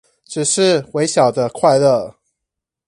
只是微小的快樂